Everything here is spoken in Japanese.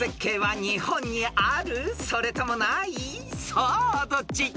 ［さあどっち？］